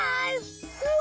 うわ！